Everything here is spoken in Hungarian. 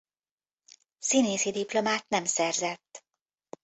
Színészi diplomát nem szerzett.